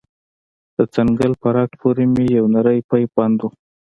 د څنگل په رگ پورې مې يو نرى پيپ بند و.